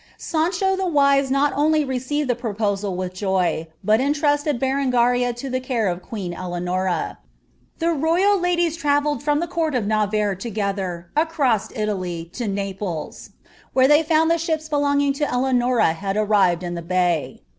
Sancho the Wise not only received the propo sition with joy, but CDtrusted Berengaria to the care of queen ElouuA The royal ladies travelled from the court of Navarre togMher, acM* Italy, to Naples, where tliey found the ships beUm^ng to D> anon twl Brrived in the bay.